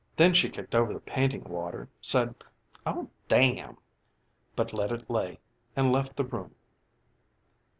Then she kicked over the painting water, said, "Oh, damn!" but let it lay and left the room.